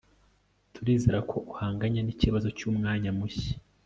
turizera ko uhanganye nikibazo cyumwanya mushya